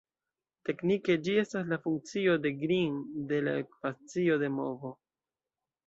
Teknike, ĝi estas la funkcio de Green de la ekvacio de movo.